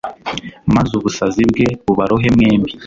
maze ubusazi bwe bubarohe mwembi